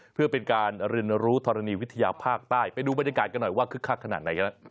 เพื่อเป็นการเรียนรู้ธรณีวิทยาภาคใต้ไปดูบรรยากาศกันหน่อยว่าคึกคักขนาดไหนกันแล้ว